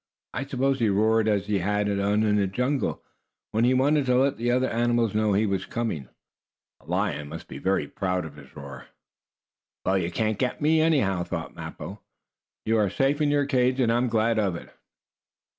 I suppose he roared as he had done in the jungle, when he wanted to let the other animals know he was coming. A lion must be very proud of his roar. "Well, you can't get me, anyhow," thought Mappo. "You are safe in your cage, and I am glad of it."